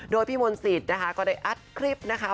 โดยพี่มนต์สิทธิ์นะคะก็ได้อัดคลิปนะคะ